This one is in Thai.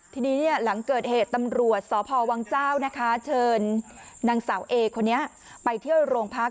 ทีนี้หลังเกิดเหตุตำรวจสพวังเจ้านะคะเชิญนางสาวเอคนนี้ไปเที่ยวโรงพัก